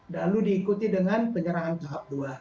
lalu diikuti dengan penyerangan tahap dua